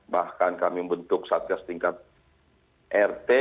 bahkan kami membentuk satgas tingkat rt